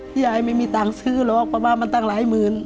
พี่ไยไม่มีภาพต่างซื้อหรอกประมาณบ้านมันตั้งหลายหมื่น